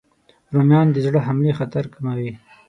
رومیان د زړه حملې خطر کموي